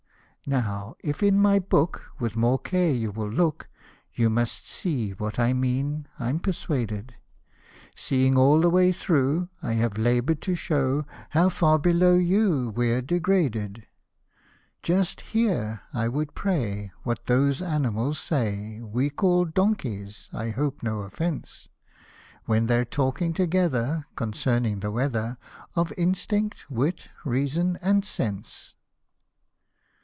u Now, if in my book with more care you will look, You must see what 1 mean, I'm persuaded ; Seeing all the way through, I have labour'd to show How far below you w r e're degraded. " Just hear, I would pray, what those animals say We call donkeys, I hope no offence ; When they're talking together concerning the weather, Of instinct, wit, reason, and sense."